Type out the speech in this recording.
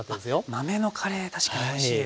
豆のカレー確かにおいしいですね。